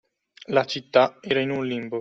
La città era in un limbo.